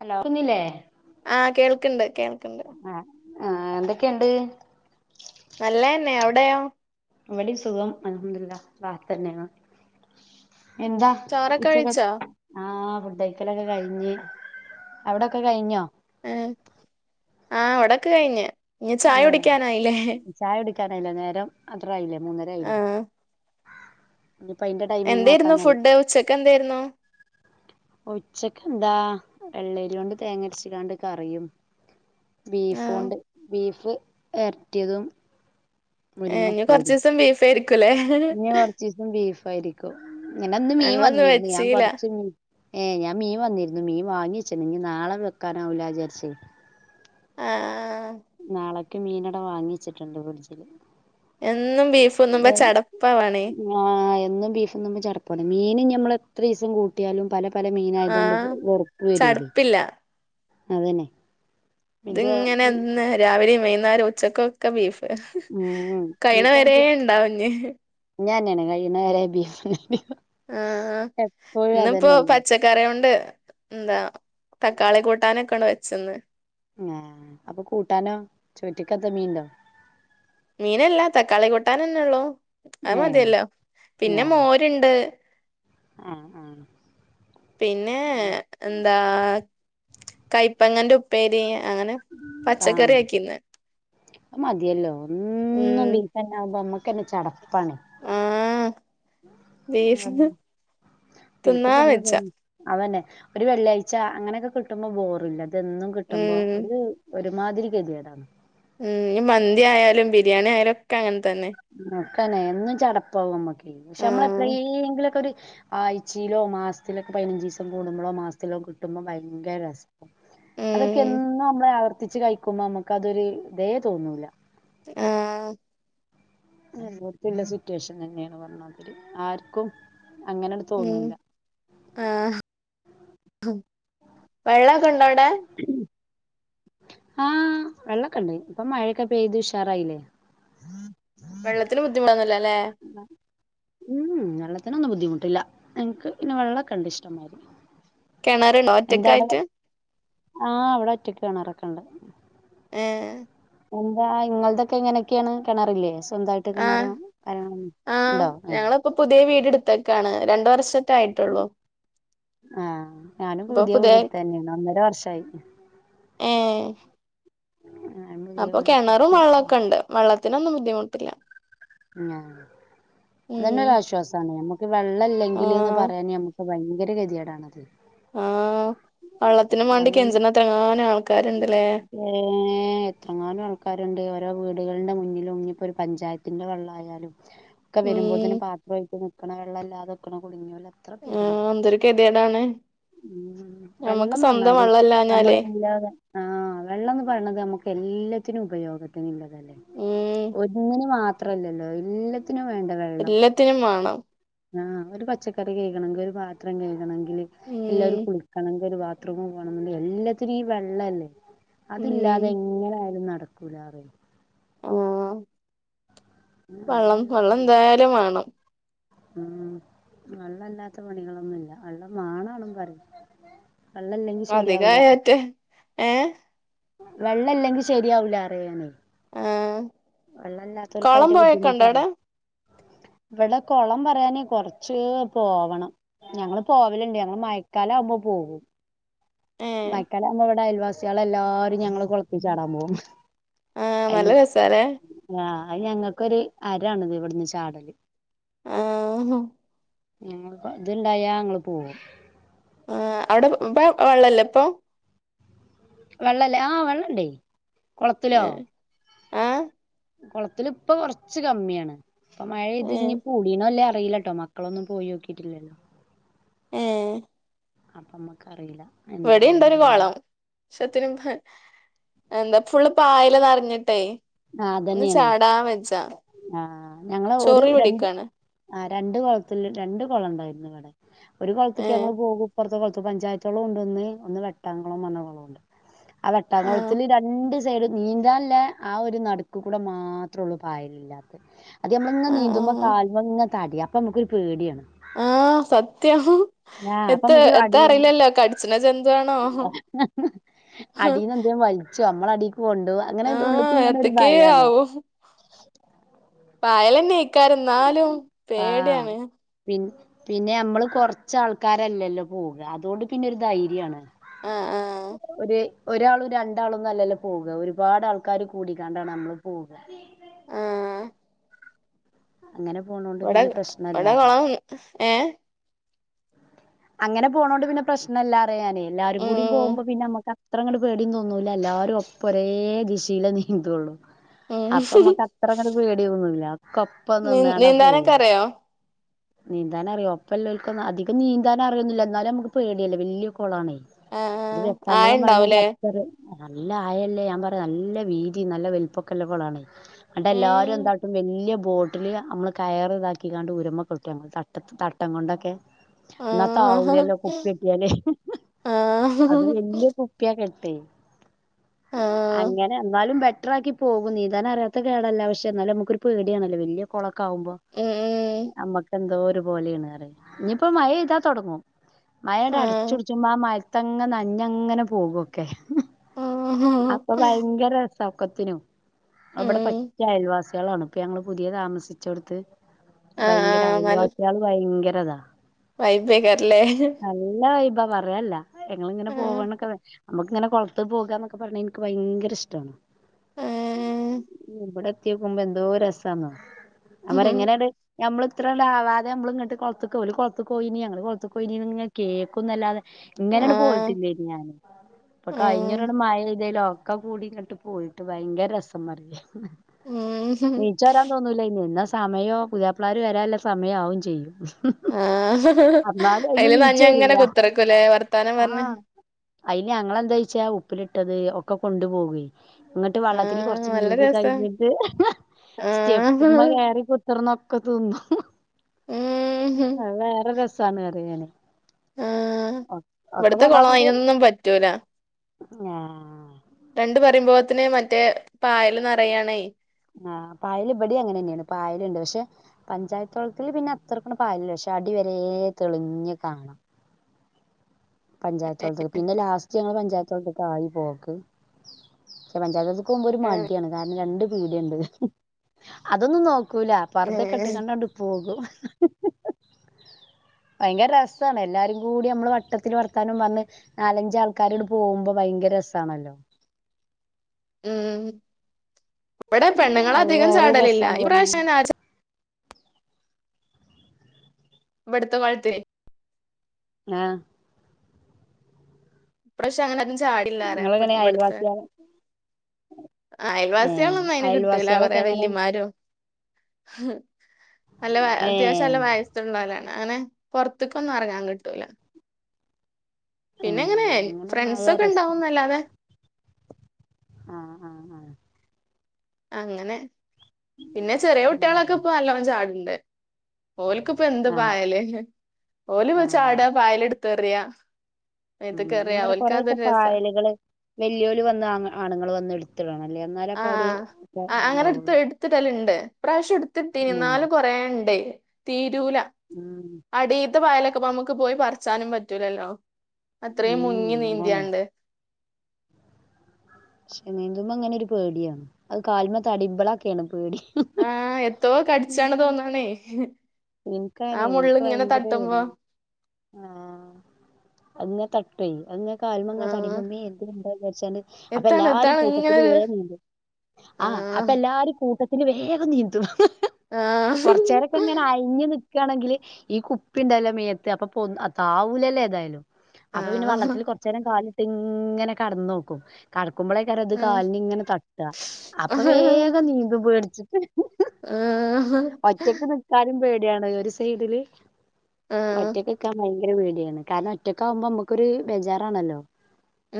Hello കൾക്കുന്നില്ലേ ആഹ് കേൾക്കണ്ട് കേൾക്കണ്ട്. ആഹ് ആഹ് എന്തൊക്കെയുണ്ട്? നല്ലതന്നെ അവിടെയോ ഇവിടെയും സുഖം അല്ഹംടുലില്ലാഹ് റാഹത്ത് തന്നെയാണ്. എന്താ ചോറൊക്കെ ഉച്ചക്ക് കഴിച്ചോ ആഹ് ഫുഡ് കഴിക്കലൊക്കെ കഴിഞ്ഞ് അവിടൊക്കെ കഴിഞ്ഞോ ങ്ഹ് ആഹ് ഇവിടെയൊക്കെ കഴിഞ്ഞു. ചായ കുടിക്കാനായില്ലേ നല്ല നേരം അത്രായില്ലേ മൂന്നരായില്ലേ എന്തായിരുന്നു ഫുഡ് ഉച്ചക്ക് എന്തായിരുന്നു ഉച്ചക്ക് എന്താ എള്ളയില കൊണ്ട് തേങ്ങരച്ചിടാണ്ട് കറിയും ആഹ് ബീഫോണ്ട് ബീഫ് വരറ്റിയതും ഇനി കുറച്ച് ദിവസം ബീഫ [unintelligible] ഇനി കൊറച്ച് ദിവസം ബീഫ് ആയിരിക്കും ഇങ്ങനെ അന്ന് മീൻ ഞങ്ങളൊന്നും വന്നിരുന്നു ഞാൻ വെച്ചീല കൊറച്ച് മീ ഏ ഞാൻ മീൻ വന്നിരുന്നു മീൻ വാങ്ങി പക്ഷെ മീൻ നാളെ വെക്കാനാവില്ല വിചാരിച്ച്. ആഹ്. നാള ഇക്ക് മീനട വാങ്ങിച്ചിട്ടുണ്ട് ഫ്രിഡ്ജില് എന്നും ബീഫ് തിന്നുമ്പോ ചടപ്പാവാണേ ആഹ് എന്നും ബീഫും തിന്നുമ്പം ചടപ്പാണ്മ് മീന് ഇനി ഞമ്മ എത്ര ദിവസം കൂട്ടിയാലും പല പല മീന ആയത് കൊണ്ട് ആഹ് വെറുപ്പ് വരൂലേ ചടപ്പില്ല അതെന്നെ ഇത്ങ്ങനെ എന്നും രാവിലെയും വൈകുന്നേ- എന്തായാലും ഉച്ചക്കൊക്കെ ബീഫ് ഉം കഴിയണ വരേ ബീഫാവുമ്പോ ഉണ്ടാകും ഇനി കഴിയുന്നവരെ ബീഫ് ഉണ്ട് ആആ ഇന്നിപ്പോ അതന്നെല്ലേ പച്ചക്കറിണ്ട് എന്താ തക്കാളി കൂട്ടാനൊക്കെയാണ് വെച്ചന്ന് അപ്പൊ കൂട്ടാ നോ ചോ ട്ടി ക്കത്തെ മീനുടോ മീനീല്ല തക്കാളി കൂട്ടാൻന്നെ ഉള്ളു അത് ഏഹ് മതിയല്ലോ പിന്നെ മോരുണ്ട് ആ ആ പിന്നെ എന്താ കൈപ്പങ്ങന്റെ ഉപ്പേരി അങ്ങനെ ആഹ് പച്ചക്കറി ആക്കി ഇന്ന് മതിയല്ലോ എന്നും ബീഫ്തന്നെയാ നമുക്ക് പിന്ന ചാട പണി ആഹ് ബീഫ് ഇന്ന് ബീഫ് തിന്നാ തിന്ന് വെച്ച തിന്ന് അതന്നെ ഒരു വെള്ളിയാഴ്ച അങ്ങനെയൊക്കെ കിട്ടുമ്പോ ബോറില്ല ഇതും എന്നും കിട്ടുമ്പോ ഉം ഒരു ദി ഒരു ഒരു മാതിരി ഗതികേടാണ് ഉ ഈ മന്തിയാലും ബിരിയാണി ആയാലും ഒക്കെ അങ്ങനത്തെ- തന്നെ തന്നെ എന്നും ചടപ്പാകുംനമ്മക്കെ പിന്നെഷേ നമ്മള് ആഹ് എപ്പേഴെങ്കില് ഒരു ആഴ്ചയിലോ മാസത്തിലൊക്കെ പതിനഞ്ച് ദിവസം കൂടുമ്പോളോ മാസത്തിലോ കിട്ടുമ്പോ ഭയങ്കര രസാ അതൊക്കെ ഉം എന്നും നമ്മള് ആവർത്തിച്ച് കഴിക്കുമ്പോ നമുക്ക് അതൊരു ഇതേ തോന്നൂല്ല ആഹ് കുറച്ച് ഉല്ലാസ സ്റ്റേഷൻ തന്നെ അവര് പറഞ്ഞത് ആർക്കും അങ്ങനട് ഉം തോന്നൂല ആഹ് വെള്ളമൊക്കെ ഉണ്ടോ അവിടെ ആഹ വെള്ളമൊക്കെണ്ട് ഇപ്പൊ മഴക്കെ പെയ്തു ഉഷാറായില്ലേ വെള്ളത്തിന് ബുദ്ധിമുട്ടയുണ്ടരുന്നല്ലേ ഉം വെള്ള വെള്ളത്തിനൊന്നും ബുദ്ധിമുട്ടില്ലഞങ്ങൾക്ക് പിന്നെ വെള്ളംഒക്കെ ഉണ്ട്ഇഷ്ടംമാതിരി കിണറുണ്ടോ ഒറ്റക്ക ആയിട്ട് ആ അവിടെ ഒറ്റക്ക് കിണറൊക്കെ ഉണ്ട് ഏ എന്താ ഇങ്ങളതൊക്കെ ഇങ്ങനെയൊക്കെയാണ് കിണറില്ലേ സ്വന്തായിട്ട് ആ കിണറും കാര്യങ്ങളൊന്നും ആ ഉണ്ടോ ഏഹ് ഞങ്ങളിപ്പൊ പുതിയ വീടു എടുത്തേക്കാണ് രണ്ടു വർഷം സെറ്റ് ആയിട്ടുള്ളൂ ആഹ് ഞാനും പുതിയ വീട് എടുത്ത തന്നെയാണ് ഒന്നര വർഷമായി ഏ ഞാൻ പുതിയ അപ്പൊ വീടൊക്കെ കിണറും എടുത്ത് വെള്ളമൊക്കെ ഉണ്ട് വെള്ളത്തി അതിനൊന്നും ബുദ്ധിമുട്ടില്ല ആ ഉം അതന്നെ ഒരരാശ്വാസമാണ് നമ്മുക്ക് വെള്ളല്ലെങ്കില് ആഹ് പറയാൻ നമ്മക്ക് ഭയങ്കര ഗതികേടാണ് ആ വെള്ളത്തിനും വേണ്ടി കെഞ്ചുന്നത്രങ്ങാനെ ആൾ ഏ എത്രെങ്ങാനം ആൾക്കാരുണ്ട് ഓരോ വീടുകളുടെ മുന്നിലും ഇനിയിപ്പോ ഒരു പഞ്ചായത്തിന്റെ വെള്ളമായാലും ഒക്കെ ഉം വരുമ്പോ തന്നെ പാത്രമായിട്ട് വക്കണ വെള്ളല്ലാതെ ക്ക കുടുങ്ങിയോ ല്ല എത്ര പേരുണ്ട് ആഹ് എന്തൊരു ഗതികേടാണ് ഉം ഞമ്മക്ക് വെള്ളം സ്വന്തം വന്നാലേ നമ്മൾ വെള്ളല്ലാഞ്ഞാലേ ഇല്ലാതെ ആ വെള്ളം എന്ന് പറയണത് നമക്ക് എല്ലാത്തിനും ഉപയോഗത്തിനില്ല ഉം ഒന്നിന് മാത്ര അത്രല്ലല്ലോ എല്ല ത്ത എല്ലത്തിനും മാണം ആ ഒരു പച്ചക്കറി കഴുകണങ്കിൽ ഒരു പാത്രം കഴുകണങ്കിൽ എല്ല ഉം കുളിക്കണങ്കി ഒരു ബാത്ത് ബാത്റൂമി പോണന്നുണ്ടങ്കിൽ എല്ലത്തിനും ഈ വെള്ളല്ലേ ഉം അതില്ലാതെ എങ്ങനായാലും നടക്ക കുലാറ് ആ പിന്നെ വെള്ളം വെള്ളല്ലാത്ത വെള്ളം എന്തായാലും മാണം ഉം വെള്ളല്ലാത്ത പണികളൊന്നുല്ല വെള്ളം മാണണെന്നും പറയും വെള്ളല്ലെങ്കി ശരിയാവൂല അധികായറ്റെ ഏ വെള്ളല്ലെങ്കിൽ ശര്യാവൂല റിയെ ഞാനെ ആഹ് വള്ളല്ലാത്തോൽക്ക കൊളം യ്ന്റെ പോയൊക്കെ ഉണ്ടോ ബുദ്ധിമുട്ടറ്യ അവിടെ ഇവിടെ കുളം പറയാനേ കൊറച്ച് പോവണം ഞങ്ങള് പോവലുണ്ട് ഞങ്ങള് മയക്കാല ആകുമ്പോ പോകും ഏഹ് മയക്കാല ആകുമ്പോ ഇവിടെ അയൽവാസികളൾ എല്ലാരും ഞങ്ങള് കൊളത്തി ചാടാൻ പോകും ആഹ് നല്ല അയിന് രസാല്ലേ ങ്ങാ അയ് ഞങ്ങൾക്കൊരു അരാണ് ഇവിടുന്ന് ചാടല് ആ ങ്ങങ്ങൾകൊ ഇത്ണ്ടായാ ങ്ങള് പോകും ആ അവിടെ ഉംബ വെള്ളല്ലേ ഇപ്പൊ വെള്ളല്ലേ ആ വെള്ളണ്ട് കൊളത്തിലോ ഏഹ് ആഹ് കൊളത്തില്പ്പം കൊറച്ച് കമ്മിയാണ് ഇപ്പം മഴ ഏഹ് പൈത്ഞ്ഞ് കൂടീണോ ഇല്ലെ അറീല കയിലാട്ടോ മക്കളൊന്നും പോയോ ക്കീട്ടില്ല ഏ അപ്പമ്മക്കറീല ഇവിടംണ്ടൊരു കോളം ശെത്തിനും ഹെ എന്ത ഫുള്ള് പായല് നറഞ്ഞിട്ടേ ആ അതെന്നേണ് ആ ഞങ്ങള് ഒരു ചൊറി രണ്ട് പിടിക്കാണ് ആ രണ്ട് കൊളത്തില് രണ്ട് കൊളണ്ടായിരുന്നുവടെ ഒരു കൊളത്ത്ക്ക് ഏഹ് ഞങ്ങൾ പോകും പ്പർത്തെ കൊൾ ത്ത് പഞ്ചായത്തുകൊളോണ്ടൊന്ന് ഒന്ന് വെട്ടാങ്കൊളംന്ന് പറഞ്ഞ കൊളൊണ്ട് ആ ആഹ് വെട്ടാങ്കൊളത്തില് രണ്ട്സ് ജട്നീന്താല്ലാ ആ ഒരു നടുക്ക് കൂടെ മാത്രൊള്ളു പായലില്ലാത്ത് അത് ഞമ്മങ്ങള് ങ്ങനെ ആഹ് നീന്തുമ്പോ ആഹ് കാല്‌മ്മങ്ങൻ തടി അപ്പം മ്മുക്കൊരു പേടിയാണ് ആ സത്യം ആ അപ്പൊ എത്ത മ്മക്ക് എത്ത അടീന്ന് അറിയില്ലല്ലോ കടിച്ച്ണ ജന്തുവാണോ അടീന്നെന്തേം വലി ച്ചുഅമ്മള അടിക് പോണ്ടു അങ്ങനെ ഉള്ക്ക് ആഹ് ങ്ങനൊരു എത്തക്കേ ഭയാണ് പായലെന്നെ ക്കാരം ന്നാലും ആഹ് പേടിയാണ് പിൻ പിന്നെ നമ്മള് കൊറച്ചാൾക്കാരല്ലല്ലോ പോക അതോണ്ട്പിന്നൊരു ധൈര്യാണ് ആഹ് ആഹ് ഒര് ഒരാളും രണ്ടാളുംന്നല്ലല്ലോ പോക ഒരുപാടാൾക്കാര് കൂടിക്കാണ്ടാണ് നമ്മള് പോക ആ അങ്ങനെ പോണോണ്ട് പിന്നെ പ്രശ്നല്ലാ ഏ അങ്ങനെ പോണോണ്ട് പിന്നെ പ്രശ്നല്ലാറയാ ഞാനെ എല്ലാരും കൂടി ഉം പോകുമ്പോ പിന്നെ മ്മക്ക് അത്രങ്ങ്ട്ട് പേടീം തോന്നൂല എല്ലാരും ഒപ്പൊ ഒരേ ദിശയില നീന്തുള്ളു ഉം അപ്പൊ മ്മക്ക് അത്രങ്ങ്ട്ട് പേടിതോന്നൂല്ല കപ്പ നീ നിന്നാണ്ട നീന്താനൊക്കെ പോകും അറിയോ നീന്താനറിയോ ഒപ്പല്ലോൽക്കൊന്ന് അധികം നീന്താനറിയൊന്നൂല്ല ന്നാലും നമുക്ക് പേടിയല്ലേ വലിയ കൊ ളാണെ അത് ആഹ് വെക്കാൻകളം പറേണത് ആയണ്ടാവൂലേ അത്ര നല്ല ആയല്ലേ ഞാൻ പറയാ നല്ല വീതി നല്ല വൽപ്പൊക്കെല്ലകൊളാണ് ന്നട്ട് എല്ലാരും ഉം എന്താട്ടും വലിയ ബോട്ടില് നമ്മള് കയറ് താക്കിങ്ങാണ്ട് ഊരമ്മെ കൊടു ട്ടം തട്ടത്തി തട്ടം കൊണ്ടൊക്കെ എന്നാ ആഹ് താവൂലല്ലോ കുപ്പി കെട്ടിയാലേ ആഹ് അത് വലിയ കുപ്പിയ കെ പ്പേയ് ആഹ് അങ്ങനെ എന്നാലും ട്രാക്കി പോകും നീന്താനറിയാത്ത കേടല്ല പക്ഷെ ന്നാലും മ്മുക്കൊരു പേടിയണല്ലോ വെലിയ കുള [unintelligible] ഉം ഉം നമ്മക്ക് എന്തോ ഒരു പോോലെയണ്റ ഇനിയിപ്പോ മഴ ഇതാ തുടങ്ങും മയയുടെടെ ആഹ് അടിച്ചുടിച്ച് മ മഴ അത്തങ്ങ നഞ്ഞങ്ങനെ പോകൊക്കെ ആഹ് അപ്പൊ ഭയങ്കര ചൗക്കത്തിനും ബട ഉം പച്ചായല്ല വസ തളണ ഇപ്പം ഞങ്ങള്ൾ പുതിയ താമസിച്ച കൊടുത്ത് ആഹ് ഭയങ്കര അയവാസികൾ ഭയങ്കര [unintelligible] വൈപേക്കല്ലേ ഇ പറയല്ലേ ഞങ്ങ ഇങ്ങനെ പോവണൊക്കെ നമുക്ക്ിങ്ങനെ കുളത്ത് പോകുകൊക്കെ പറ എനിക്ക് ഭയങ്കര ഇഷ്ടമാണ് ആഹ് [unintelligible] കത്തി വെക്കുമ്പോ എന്തോ രസാന്നോ അര ആഹ് എങ്ങനെയണ്ട് നമ്മള് ഇത്ര ണ്ടവാതെ നമ്മ ഇങ്ങട്ട് കുളത്തിലേക്ക് ഒരേ കുളത്ത്‌കെ പോയിനീ ഞങ്ങളെ കുളത്ത്‌കെ കോയിനി കേൾക്കുന്നില്ലാതെ ഇങ്ങനെയട് പോയിട്ടില്ലേന് ഞാന് ഇപ്പൊ ആഹ് കഴിഞ്ഞൂരോട് മഴ ഇതലോ ലോ ഒക്കെ കൂടി ഇങ്ങട്ട് പോയിട്ട് ഭയങ്കര രസം മറി ഉം നീച്ച വരാന്ന് തോന്നല ഇ സമയോ പുയ്യാപ്ല വരാന സമയവും ചെയ്യും ആ എന്നാലും അയിന് അതിൽ നീച്ച് നഞ്ഞങ്ങനെ വരൂല കുത്തിറക്കല്ലേ വർത്താനം പറഞ്ഞ ആഹ് അയില് ഞങ്ങെന്താ വച്ചാ ഉപ്പിലിട്ടത് ഒക്കെ കൊണ്ടു പോക ഇങ്ങിട്ട് വള്ളത്തിൽ ആഹ് കൊറച്ച് നല്ല നീന്തി രസാ കഴിഞ്ഞിട്ട് ആഹ് സ്റ്റെപ്പ്മ കയറി കൂ ഇ നോക്ക തിന്നും പി ഉം വേറെ രസ സാന പറയണേ ആഹ ഇവിടത്തെ കുളം അതിനനൊന്നും പറ്റൂല ആ രണ്ട പറയുമ്പോത്തിന് മറ്റേ പായല് നിറയാണേ ആ് പായൽ ഇവിടെ അങ്ങനെ തന്നെയാണ് പായലുണ്ട് പക്ഷെ? പഞ്ചായത്ത്‌ വെള്ളത്തിൽ പിന്നെ അത്ര കൂടെ പായൽ ഇല്ല പക്ഷെ അടിവരെ തെളിഞ്ഞ കാണാം പഞ്ചായത്തു വെള്ളത്തിൽ പിന്നെ ലാ ഞങ്ങള് പഞ്ചായത്തോട്ട് ആയി പോക്ക് പക്ഷെ പഞ്ചായത്ത് മ്പോ ഒരു ഉം മടിയാണ് കാരണം രണ്ട്- ടെണ്ട് അതൊന്നും നോ നോക്കൂല പർദ്ദ കിട്ടേണ്ട അങ്ങോട്ടങ്ങ് പോകും ഹിഹി ഭയങ്കര രസമാണ് എല്ലാരും കൂടി നമ്മള് വട്ടത്തി വർ വർത്താനം പറഞ്ഞ നാലഞ്ച ആൾക്കാരോട് പോകുമ്പോ ഭയങ്കര രസാണല്ലോ ഉം ഇവിടെ പെണ്ണുങ്ങളൾ അത് അധികം വേറൊരു ചാടലില്ല രസാണ് ഈ പ്രാവശ്യ പറഞ്ഞാല് ഇടുത്ത [inaudible] ആഹ ഇപ്രാവശ്യം അങ്ങനെ- ചാടില്ലാറ നിങ്ങളെങ്ങനെ ഇവിടുത്തെ അയൽവാസിയാ ഏ അയൽവാസികളൊന്നും അയിന് കിട്ടൂല അയൽവാസികളൊക്കെ കൊറെേ എങ്ങനെ വല്യമാരോ [unintelligible] നല്ല ഏ അത്യാവശ്യം നല്ല ഏ വയസ് ഉള്ളവരാണ് അനെ പൊറത്തോട്ടുങ്ങും അ റങ്ങാൻ കിട്ടൂല പിന്നെ എങ്ങനെ അങ്ങനൊന്നും ആയാ ഫ്രണ്ട്സൊക്കെ രസം ഇണ്ടാവുന്നല്ലാതെ ആ ആ ആ അങ്ങന പിന്നെ ചെറിയ ഉം കുട്ടിളൊക്കെപ്പം നല്ലോം ചാടും. ഉണ്ട് ഓൽക്ക്‌പ്പോ എന്ത്‌ ആ പായല് ഓല് ആ ചാടാ പായലെ [unintelligible] ഉം ഞാ പറ കൊറെയൊക്കെ പായലുകള് വല്യോര് വന്ന് ആണുങ്ങള് വന്ന് എടുത്തിടണം അല്ലേ എന്നാലേ ആ അപ്പൊ അവര് ഇപ്പ ആ അങ്ങനെ ഇണ്ടാവുള്ളൂ ഇട്ത്ത്ടല്ണ്ട് ഇപ്രാവശ്യം ഉം ഇട്ത്ത്ട്ടീനന്നാലും കൊറെണ്ട് [unintelligible] [unintelligible] ഉം ത്തെ പായലൊക്കെ പ്പം മ്മക്ക് പോയി പറച്ചാനും പറ്റൂലല്ലോ അത്രേം ഉം മുങ്ങി അതാണ് നീന്തിയാണ്ട് പക്ഷെ നീന്തുമ്പോ അങ്ങനെ ഒരു പേടിയാണ് അഅ് കാൽമ തടിമ്പളൊക്കെയാണ് പേടി ആഹ എത്തോ കടിച്ചാണ് തോന്നാണെ ആ എനിക്കങ്ങനെ എനിക്ക് മുള്ള്ങ്ങനെ ഭയങ്കര തട്ടുമ്പോൾ പേടിയാ തട്ടോയ് അഅ് ങ്ങനെ കാൽമങ്ങ തടിമ്പേ മേ [unintelligible] വേട്ചാണ്ട് അപ്പൊ എത്താണ് എല്ലാരിം എത്താണ് കൂട്ടത്തില് ഇങ്ങനെ വേം നീന്തി ആ അപ്പ ആഹ് എല്ലാരിം കൂട്ട് പിന്നെ വേഗം നീന്തും. ആ ക്കാണെങ്കില് ഈ കുപ്പി ണ്ടല്ലോ മേത്ത് അപ്പോ പൊ താവൂലല്ലേ ഏതായാലും. അപ്പൊ പിന്നെ ആഹ് വള്ളത്തില് കൊർച്ചേരം കാല് ഇങ്ങനെ കടന്നോക്കും കുമ്പളെക്കാരം ഇത് കാൽന് ഇങ്ങനെ തട്ടാ അപ്പൊ ഉം വേഗം നീന്തും പേട്ച്ച്. ആഹ് ഒറ്റക്ക് നിക്കാനും പേ [unintelligible] ഒരു സൈഡില് ആഹ് ഒറ്റക്ക്ക്കാൻ മു [unintelligible] പേടിയാണ് കാരണം ഒറ്റക്കാവുമ്പോ മുക്കൊരു ബേജാറാണല്ലോ.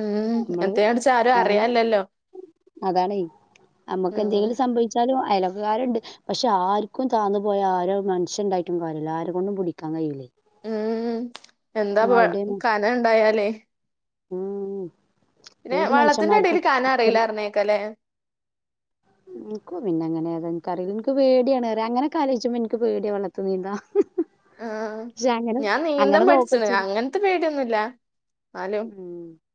ഉം എത്തേ അടിച്ച ആരു അറിയാല്ലല്ലോ. അതാണേയ്. നമുക്ക് ഉം എന്തെങ്കിലും സംഭവിച്ചാലും അയലോക്കകാരുണ്ട് പക്ഷേ ആർക്കും താന്നു പോയാൽ ആരാ ഒരു മനുഷ്യൻ ഉണ്ടായിട്ടും കാര്യമില്ല ആരെകൊണ്ടും പിടിക്കാൻ കഴിയൂലെയ്. ഉം എന്താ അവിടെയാണ് കനം ഉണ്ടായാലേ [unintelligible] ഉം പിന്നെ ഏത് വെള്ളത്തിന്റെ അടിൽ മനുഷ്യന്മാർക്കും കനം അറീല്ലാ പറഞ്ഞേക്കാല്ലേ. എനിക്ക പിന്നെ അങ്ങനെ അതാ എനിക്കറിയില്ല എനിക്ക് പേടിയാണ് ഏറെ അങ്ങനെയൊക്കെ ആലോചിക്കുമ്പം എനിക്ക് പേടിയ വെള്ളത്തിൽ നീന്താൻ. ആ പക്ഷെ അങ്ങനെ ഞാൻ നീന്തം അങ്ങനെ പഠിച്ചതാണ് നോക്കച്ചിരി അങ്ങനത്തെ പേടിയൊന്നുമില്ല ന്നാലും. ഉം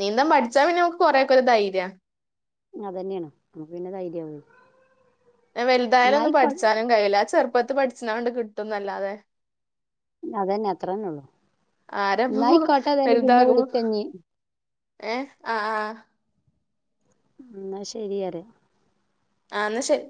നീന്തം പഠിച്ചാൽ പിന്നെ നമുക്ക് കൊറെയൊക്കെ ഒരു ധൈര്യാ. അത് തന്നെയാണ് നമുക്ക് പിന്നെ ധൈര്യമാണ്. പിന്നെ വലുതായാലും ഒന്നും പഠിച്ചാലും കഴിയില്ല അത് ചെറുപ്പ പ്പത്ത് പഠിച്ചണ കൊണ്ട് കിട്ടുംന്നല്ലാതെ അതന്നെ അത്രന്നേ ഉള്ളു. ആരപ്പോ ന്നായിക്കോട്ടെ ഏതായാലും പിന്നെ വലുതാകുമ്പോ വിളിക്ക ഞ്ഞി. ഏഹ് ആഹ് ആഹ് ന്ന ശരിയരെ. ആ എന്ന ശരി.